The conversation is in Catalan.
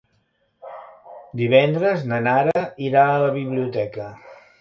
Divendres na Nara irà a la biblioteca.